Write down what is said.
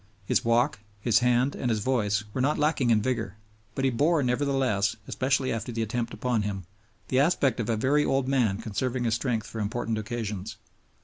His walk, his hand, and his voice were not lacking in vigor, but he bore nevertheless, especially after the attempt upon him, the aspect of a very old man conserving his strength for important occasions.